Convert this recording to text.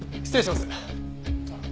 失礼します。